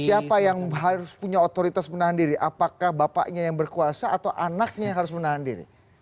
siapa yang harus punya otoritas menahan diri apakah bapaknya yang berkuasa atau anaknya yang harus menahan diri